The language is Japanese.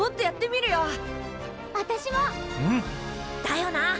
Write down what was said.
だよな！